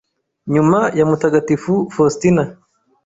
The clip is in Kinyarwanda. nyuma ya Mutagatifu Faustina